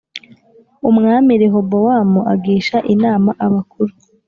Umwami rehobowamu agisha inama abakuru